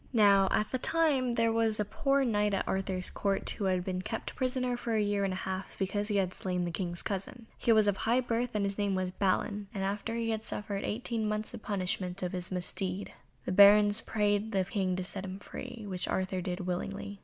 Now at that time there was a poor Knight at Arthur's Court who had been kept prisoner for a year and a half because he had slain the King's cousin. He was of high birth and his name was Balin, and after he had suffered eighteen months the punishment of his misdeed the Barons prayed the King to set him free, which Arthur did willingly.